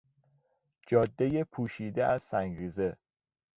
جادهی پوشیده از سنگریزه